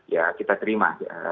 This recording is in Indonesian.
ya kita terima